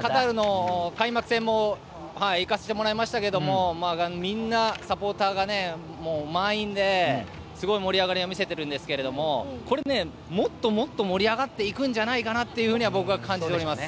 カタールの開幕戦も行かせてもらいましたがみんなサポーターが満員ですごい盛り上がりを見せているんですけどもっと盛り上がっていくんじゃないかと僕は感じております。